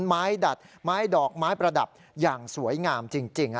ดัดไม้ดอกไม้ประดับอย่างสวยงามจริง